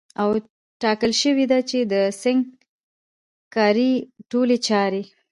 او ټاکل سوې ده چي د سنګکارۍ ټولي چاري